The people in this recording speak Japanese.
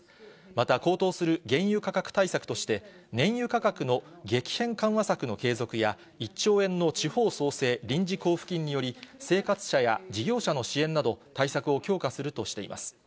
また高騰する原油価格対策として、燃油価格の激変緩和策の継続や、１兆円の地方創生臨時交付金により、生活者や事業者の支援など、対策を強化するとしています。